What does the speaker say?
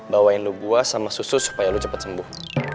bawain lo gue sama susu supaya lo cepet sembuh